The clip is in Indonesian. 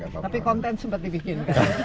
tapi konten sempat dibikin